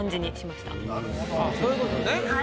そういうことね。